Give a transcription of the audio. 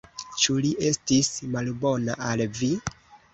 Ĉu li estis malbona al vi?